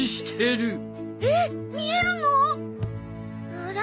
あら？